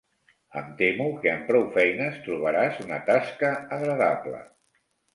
Em temo que amb prou feines trobaràs una tasca agradable.